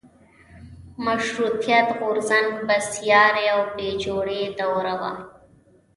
مشروطیت غورځنګ بېسارې او بې جوړې دوره وه.